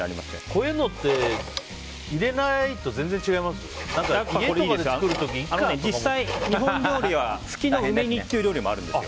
こういうのって入れないと全然違います？